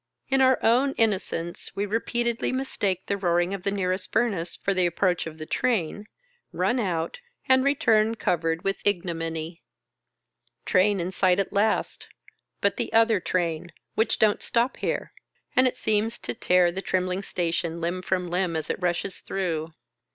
In our own inno cence we repeatedly mistake the roaring of the nearest furnace for the approach of the train, run out, and return covered with igno miny. Train in sight at last — but the other train — which don't stop here — and it seems to tear the trembling station limb from limb, as it rushes through.